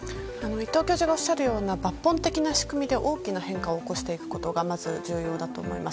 伊藤教授ががおっしゃるような抜本的な仕組みで大きな変化を起こすことがまず重要だと思うんです。